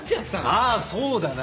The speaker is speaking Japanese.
ああそうだな。